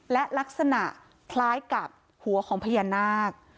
และลักษณะคล้ายกับหัวของพญานาค